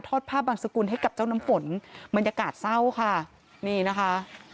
ภาพบางสกุลให้กับเจ้าน้ำฝนบรรยากาศเศร้าค่ะนี่นะคะ